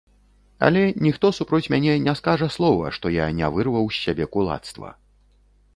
Але ніхто супроць мяне не скажа слова, што я не вырваў з сябе кулацтва.